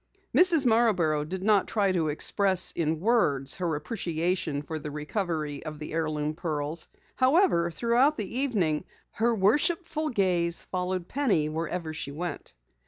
Mrs. Marborough did not try to express in words her appreciation for the recovery of the heirloom pearls. However, throughout the evening, her worshipful gaze followed Penny wherever she went.